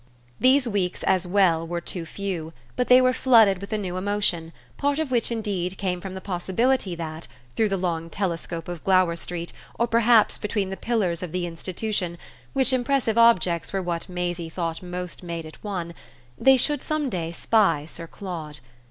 These weeks as well were too few, but they were flooded with a new emotion, part of which indeed came from the possibility that, through the long telescope of Glower Street, or perhaps between the pillars of the institution which impressive objects were what Maisie thought most made it one they should some day spy Sir Claude.